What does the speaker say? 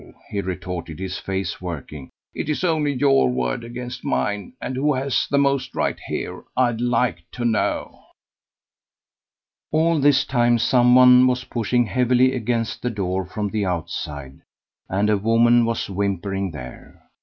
he retorted, his face working. "It's only your word against mine; and who has the most right here, I'd like to know?" All this time some one was pushing heavily against the door from the outside, and a woman was whimpering there.